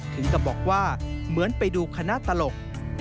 ถึงกับบอกว่าเหมือนไปดูคณะตลก